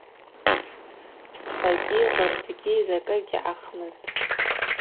Пстхӏвагьи гъырдзгьи закӏы гьаъахмызтӏ.